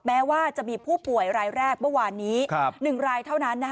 แม้ว่าจะมีผู้ป่วยรายแรกเมื่อวานนี้๑รายเท่านั้น